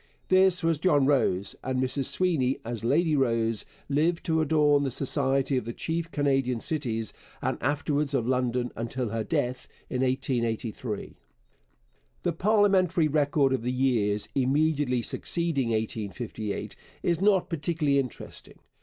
This was John Rose, and Mrs Sweeny as Lady Rose lived to adorn the society of the chief Canadian cities and afterwards of London until her death in 1883. The parliamentary record of the years immediately succeeding 1858 is not particularly interesting.